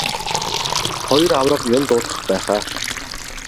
Хоёр аварга юм дуулгах байх аа.